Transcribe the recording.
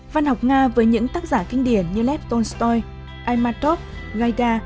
văn học nga với những tác giả kinh điển như lev tolstoy aymatov gaida